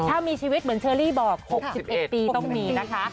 ถ้ามีชีวิตเหมือนเชอรี่บอก๖๑ปีต้องมีนะคะ